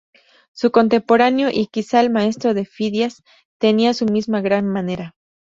Su contemporáneo, y quizá el maestro, de Fidias, tenía su misma gran manera.